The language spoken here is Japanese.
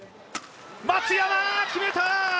松山、決めた！